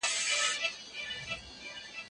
څو چي ژوندی پایمه ستا ثنا به وایمه